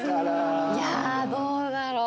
いやどうだろう？